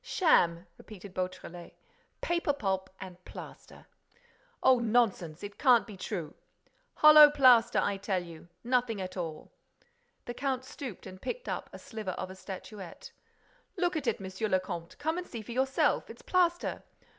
"Sham!" repeated Beautrelet. "Paper pulp and plaster!" "Oh, nonsense! It can't be true!" "Hollow plaster, I tell you! Nothing at all!" The count stooped and picked up a sliver of a statuette. "Look at it, Monsieur le Comte, and see for yourself: it's plaster!